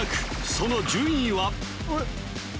その順位は？